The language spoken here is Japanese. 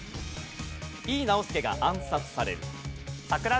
井伊直弼が暗殺される。